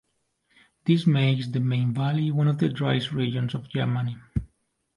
This makes the Main valley one of the driest regions of Germany.